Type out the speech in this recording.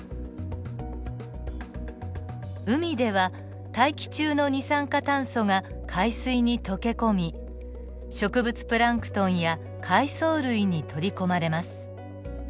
海では大気中の二酸化炭素が海水に溶け込み植物プランクトンや海藻類に取り込まれます。